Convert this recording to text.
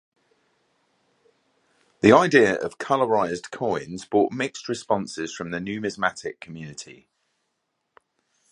The idea of colorized coins brought mixed responses from the numismatic community.